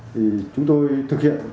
thì chúng tôi thực hiện